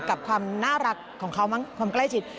กับความน่ารักของเขามั้งความใกล้ชิด